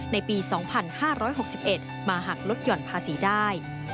ในปี๒๕๖๑มาหักลดหย่อนภาษีได้